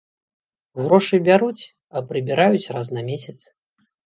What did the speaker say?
Грошы бяруць, а прыбіраюць раз на месяц.